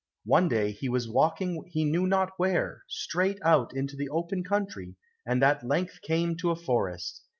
One day he was walking he knew not where, straight out into the open country, and at length came to a forest.